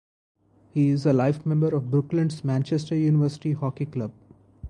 He is a life member of Brooklands Manchester University Hockey Club.